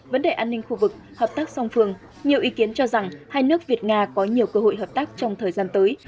vấn đề an ninh khu vực hợp tác song phương nhiều ý kiến cho rằng hai nước việt nga có nhiều cơ hội hợp tác trong thời gian tới